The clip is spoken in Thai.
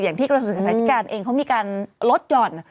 อย่างที่กรสิทธิการเองเขามีการลดหย่อน